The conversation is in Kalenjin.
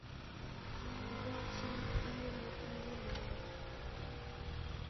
'Gochi Inendet muguleldo